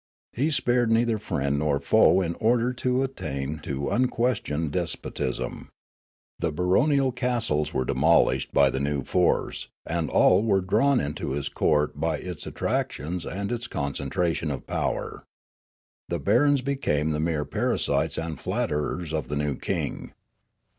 He spared neither friend nor foe in order to attain to unquestioned despotism. The baronial castles 382 Riallaro were demolished by the new force, and all were drawn into his court by its attractions and its concen tration of power. The barons became the mere parasites and flatterers of the new king.